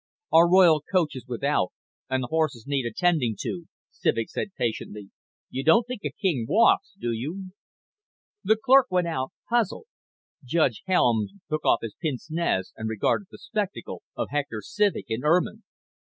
"Our royal coach is without, and the horses need attending to," Civek said patiently. "You don't think a king walks, do you?" The clerk went out, puzzled. Judge Helms took off his pince nez and regarded the spectacle of Hector Civek in ermine.